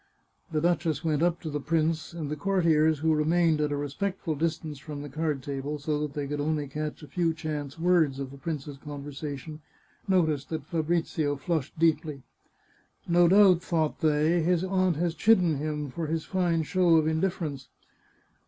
The duchess went up to the prince, and the cour tiers, who remained at a respectful distance from the card table, so that they could only catch a few chance words of the prince's conversation, noticed that Fabrizio flushed deeply. " No doubt," thought they, " his aunt has chidden him for his fine show of indifference."